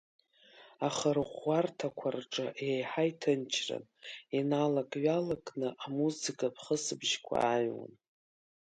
Ахырӷәӷәарҭақәа рҿы еиҳа иҭынчран, иналак-ҩалакны амузыкатә хысбыжьқәа ааҩуан.